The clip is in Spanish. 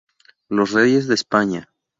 Los Reyes de España.